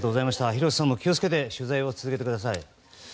廣瀬さんも気をつけて取材を続けてください。